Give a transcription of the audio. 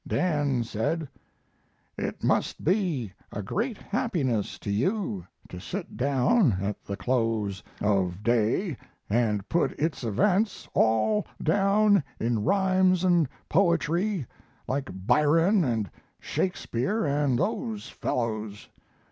Dan said: "It must be a great happiness to you to sit down at the close of day and put its events all down in rhymes and poetry, like Byron and Shakespeare and those fellows."